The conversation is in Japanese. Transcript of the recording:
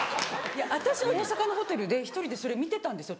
私大阪のホテルで１人でそれ見てたんですよ